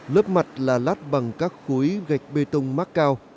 lớp mặt là lát bằng các khối gạch bê tông mắc cao